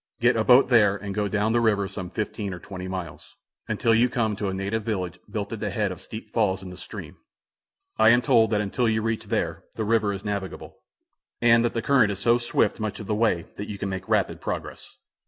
Get a boat there and go down the river some fifteen or twenty miles, until you come to a native village built at the head of steep falls in the stream. I am told that until you reach there the river is navigable, and that the current is so swift much of the way that you can make rapid progress.